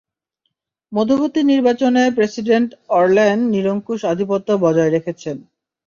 মধ্যবর্তী নির্বাচনে প্রেসিডেন্ট অরল্যান নিরংকুশ আধিপত্য বজায় রেখেছেন!